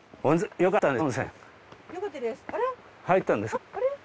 よかったです。